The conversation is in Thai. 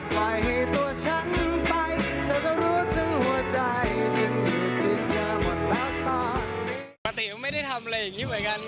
ปกติไม่ได้ทำอะไรอย่างนี้เหมือนกัน